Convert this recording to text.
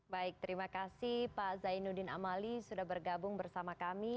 baik terima kasih pak zainuddin amali sudah bergabung bersama kami